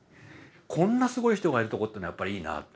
こんなすごい人がいるところってのはやっぱりいいなと。